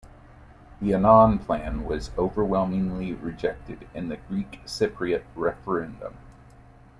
The Annan Plan was overwhelmingly rejected in the Greek-Cypriot referendum.